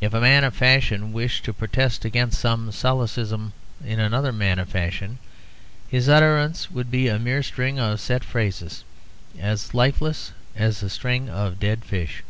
If a man of fashion wished to protest against some solecism in another man of fashion, his utterance would be a mere string of set phrases, as lifeless as a string of dead fish.